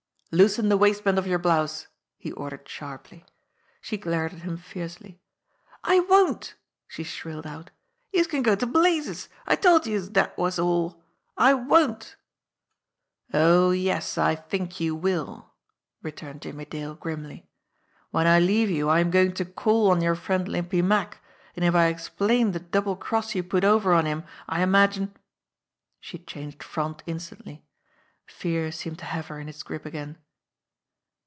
"Loosen the waistband of your blouse!" he ordered sharply. She glared at him fiercely. "I won't," she shrilled out. "Youse can go to blazes 1 I told youse dat was all. I won't!" "Oh, yes ; I think you will," returned Jimmie Dale grimly. "When I leave you I am going to call on your friend Limpy Mack, and if I explain the double cross you put over on him, I imagine " She changed front instantly. Fear seemed to have her in its grip again.